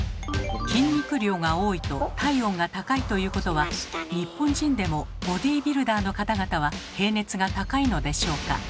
筋肉量が多いと体温が高いということは日本人でもボディービルダーの方々は平熱が高いのでしょうか？